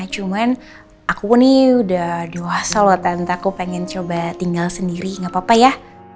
cuma aku nih udah dewasa lho tante aku pengen coba tinggal sendiri nggak apa apa ya